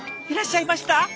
いらっしゃいました？